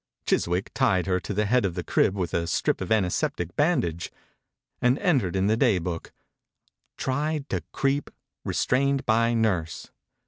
Chis wick tied her to the head of the crib with a strip of antiseptic bandage; and entered in the day book: "Tried to creep; re strained by nurse."